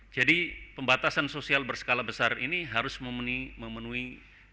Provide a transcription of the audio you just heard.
jadi pembatasan sosial berskala besar ini harus memenuhi kritis